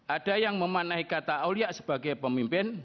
ada yang memanahi kata awliya sebagai pemimpin